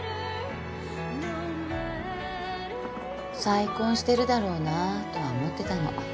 再婚してるだろうなとは思ってたの。